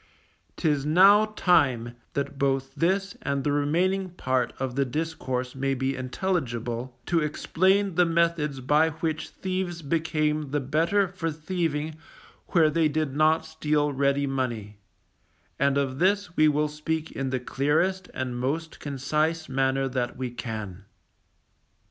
'Tis now time, that both this and the remaining part of the discourse may be intelligible, to explain the methods by which thieves became the better for thieving where they did not steal ready money; and of this we will speak in the clearest and most concise manner that we can.